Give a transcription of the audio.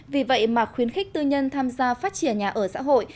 vì vậy mà khuyến khích tư nhân tham gia phát triển nhà ở xã hội